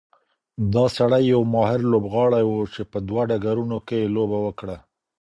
دا سړی یو ماهر لوبغاړی و چې په دوه ډګرونو کې یې لوبه وکړه.